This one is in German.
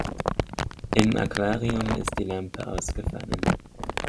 Im Aquarium ist die Lampe ausgefallen.